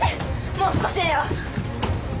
もう少しだよ！